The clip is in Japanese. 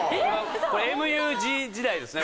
これＭＵＧ時代ですね